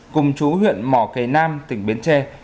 cùng chú huyện mò cây nam tỉnh biến tre